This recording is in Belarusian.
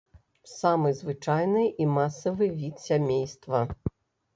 Самы звычайны і масавы від сямейства.